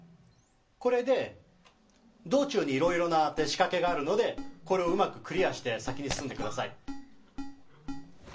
これで、道中にいろいろな仕掛けがあるのでこれをうまくクリアして先に進んでください。